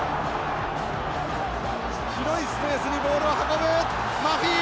広いスペースにボールを運ぶ、マフィー。